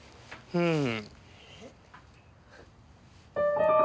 うん。